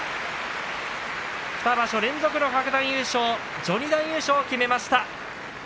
２場所連続の各段優勝序二段優勝を決めました。